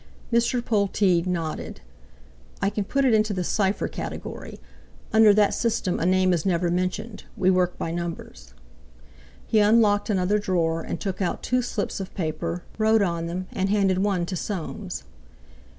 Mr. Polteed nodded. "I can put it into the cipher category. Under that system a name is never mentioned; we work by numbers." He unlocked another drawer and took out two slips of paper, wrote on them, and handed one to Soames.